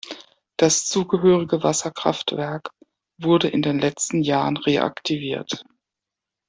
Das zugehörige Wasserkraftwerk wurde in den letzten Jahren reaktiviert.